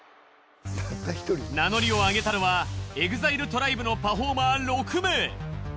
名乗りを上げたのはＥＸＩＬＥＴＲＩＢＥのパフォーマー６名。